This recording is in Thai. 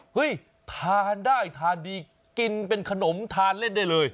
ทานได้ทานดีกินเป็นขนมทานเล่นได้เลย